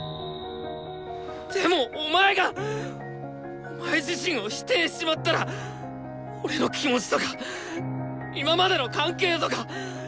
でもお前がお前自身を否定しちまったら俺の気持ちとか今までの関係とか全部がウソになっちまう！